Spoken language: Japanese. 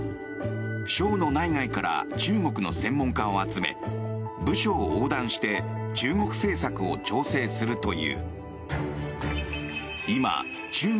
省の内外から中国の専門家を集め部署を横断して中国政策を調整するという。